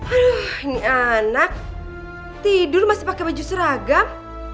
aduh ini anak tidur masih pakai baju seragam